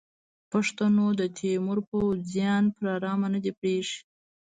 پښتنو د تیمور پوځیان پر ارامه نه دي پریښي.